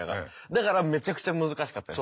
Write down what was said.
だからめちゃくちゃ難しかったです。